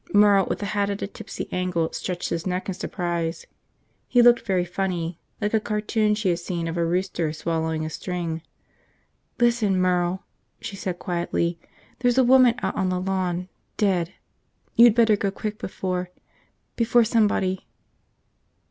Merle, with the hat at a tipsy angle, stretched his neck in surprise. He looked very funny, like a cartoon she had seen of a rooster swallowing a string. "Listen, Merle," she said quietly, "there's a woman out on the lawn. Dead. You'd better go quick before – before somebody